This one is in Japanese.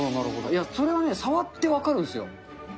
いや、それはね、触って分かるっすよ。